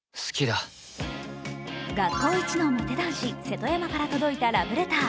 学校一のモテ男子・瀬戸山から届いたラブレター。